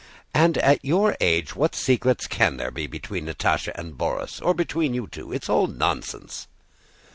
"And at your age what secrets can there be between Natásha and Borís, or between you two? It's all nonsense!"